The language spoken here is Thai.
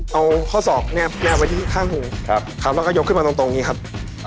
เอาข้อศอกแนบไว้ที่ข้างหูข้างนอกขึ้นขึ้นไปตรงนี้ครับ